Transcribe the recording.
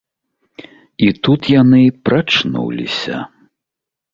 І тут яны прачнуліся!